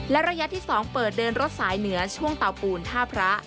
และระยะที่๒เปิดเดินรถสายเหนือช่วงเตาปูนท่าพระ